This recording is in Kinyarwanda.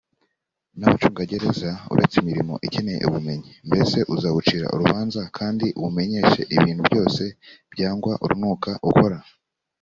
n abacungagereza uretse imirimo ikeneye ubumenyi mbese uzawucira urubanza kandi uwumenyeshe ibintu byose byangwa urunuka ukora